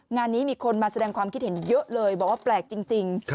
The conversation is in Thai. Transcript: งานนี้มีคนมาแสดงความคิดเห็นเยอะเลยบอกว่าแปลกจริง